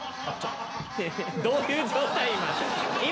どういう状態今？